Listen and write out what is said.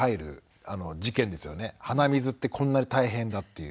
鼻水ってこんなに大変だという。